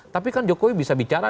tapi kan jokowi bisa bicara